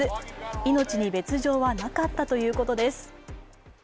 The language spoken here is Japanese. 命に別状はなかったということです。